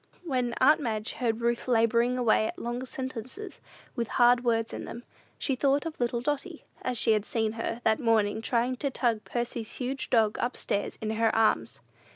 When aunt Madge heard Ruth laboring away at long sentences, with hard words in them, she thought of little Dotty, as she had seen her, that morning, trying to tug Percy's huge dog up stairs in her arms.